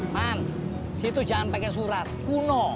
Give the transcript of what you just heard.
man si itu jangan pakai surat kuno